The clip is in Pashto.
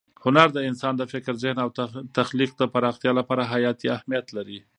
هنر د انسان د فکر، ذهن او تخلیق د پراختیا لپاره حیاتي اهمیت لري.